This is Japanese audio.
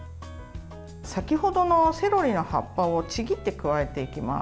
先ほどのセロリの葉っぱをちぎって加えていきます。